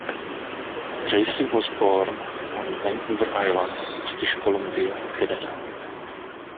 Tracey was born on Vancouver Island, British Columbia, Canada.